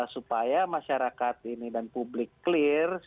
supaya masyarakat ini dan publik clear